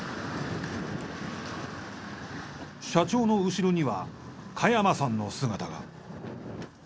社長の後ろには加山さんの姿が。